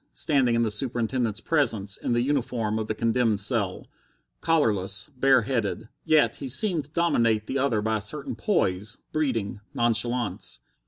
Standing in the Superintendent's presence in the uniform of the condemned cell, collarless, bare headed, he yet seemed to dominate the other by a certain poise, breeding, nonchalance.